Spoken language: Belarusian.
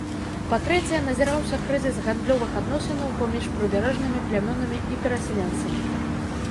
Па-трэцяе, назіраўся крызіс гандлёвых адносінаў паміж прыбярэжнымі плямёнамі і перасяленцамі.